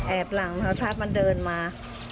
แอบหลังทวทัศน์มันเดินมา